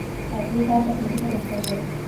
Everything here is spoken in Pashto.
اصلي کار تخنیکي پرمختګ دی.